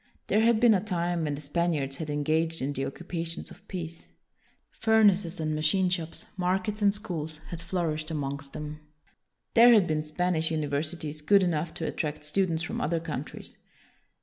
There had been a time when the Spaniards had engaged in the occupations of peace. Furnaces and machine shops, markets and schools, had flourished amongst them. There had been Spanish universities good enough to at tract students from other countries.